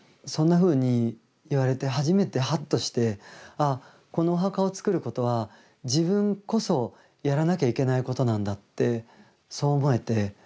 そんなふうに言われて初めてはっとしてああこのお墓をつくることは自分こそやらなきゃいけないことなんだってそう思えて。